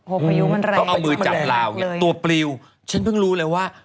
โอ้ปริวมันแรงมันแรงเลยตัวปริวฉันเพิ่งรู้เลยว่า